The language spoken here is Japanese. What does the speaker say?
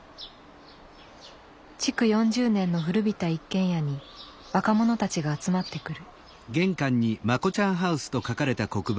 築４０年の古びた一軒家に若者たちが集まってくる。